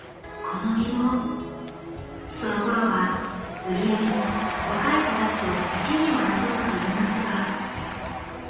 ［そのころは売り上げも若い子たちと１２を争ったといいますが］